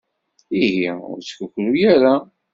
Ihi ur ttkukru ara.